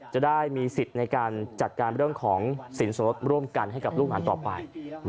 จะได้มีสิทธิ์ในการจัดการเรื่องของสินสมรสร่วมกันให้กับลูกหลานต่อไป